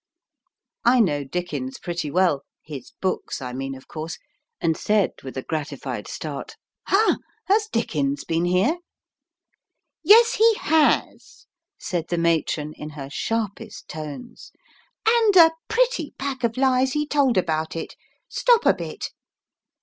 I know Dickens pretty well his books, I mean, of course and said, with a gratified start, "Ha! has Dickens been here?" "Yes, he has," said the matron, in her sharpest tones, "and a pretty pack of lies he told about it. Stop a bit."